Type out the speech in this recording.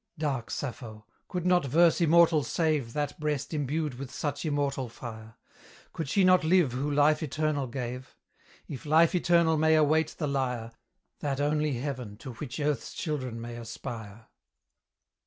Dark Sappho! could not verse immortal save That breast imbued with such immortal fire? Could she not live who life eternal gave? If life eternal may await the lyre, That only Heaven to which Earth's children may aspire.